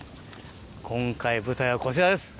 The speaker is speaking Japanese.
今回舞台はこちらです